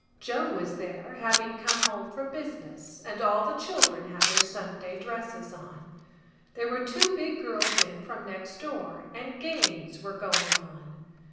Joe was there, having come home from business, and all the children had their Sunday dresses on. There were two big girls in from next door and games were going on.